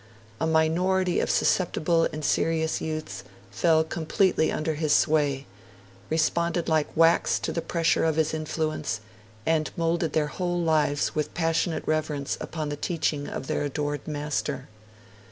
A minority of susceptible and serious youths fell completely under his sway, responded like wax to the pressure of his influence, and moulded their whole lives with passionate reverence upon the teaching of their adored master.